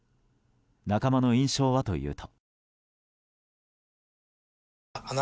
仲間の印象はというと。